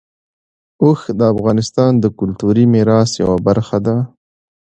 اوښ د افغانستان د کلتوري میراث یوه برخه ده.